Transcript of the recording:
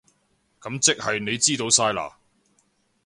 噉即係你知道晒喇？